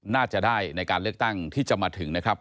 น่าจะได้ในการเลือกตั้งที่จะมาถึงนะครับ